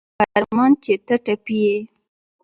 ويې ويل ارمان چې ته ټپي يې.